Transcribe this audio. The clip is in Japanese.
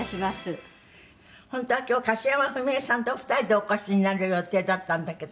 本当は今日樫山文枝さんとお二人でお越しになる予定だったんだけど。